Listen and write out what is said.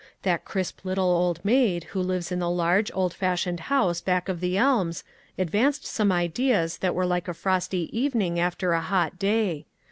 That crisp little old maid, who lives in the large, old fashioned house back of the elms, advanced some ideas that were like a frosty evening after a hot day.